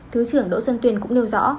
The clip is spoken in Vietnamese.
thứ trưởng đỗ xuân tuyên cũng nêu rõ